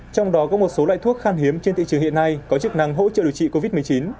trong đó có một số loại thuốc khan hiếm trên thị trường hiện nay có chức năng hỗ trợ điều trị covid một mươi chín